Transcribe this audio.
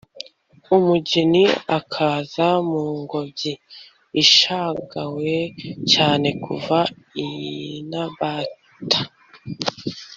umugeni akaza mu ngobyi ishagawe cyane kuva i nabata